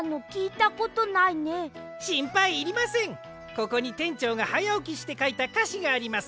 ここにてんちょうがはやおきしてかいたかしがあります。